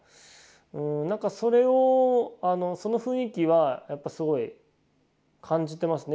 なんかそれをその雰囲気はやっぱすごい感じてますね。